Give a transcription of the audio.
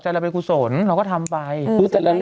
ไปหาคุณพ่อนายนาแล้วใช่ไหม